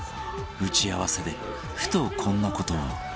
打ち合わせでふとこんな事を